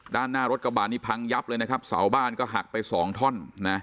ด้านหน้ารถกระบาดนี้พังยับเลยสาวบ้านก็หักไป๒ท่อน